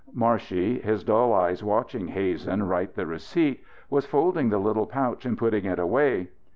Marshey, his dull eyes watching Hazen write the receipt, was folding the little pouch and putting it away.